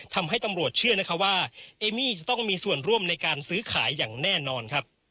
ทำให้ตำรวจเชื่อนะคะว่าเอมี่จะต้องมีส่วนร่วมในการซื้อขายอย่างแน่นอนครับ